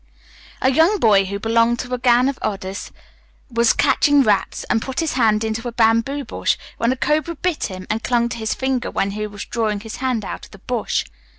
"A young boy, who belonged to a gang of Oddes, was catching rats, and put his hand into a bamboo bush, when a cobra bit him, and clung to his finger when he was drawing his hand out of the bush.